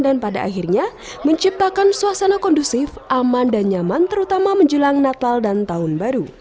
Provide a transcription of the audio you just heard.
dan pada akhirnya menciptakan suasana kondusif aman dan nyaman terutama menjelang natal dan tahun baru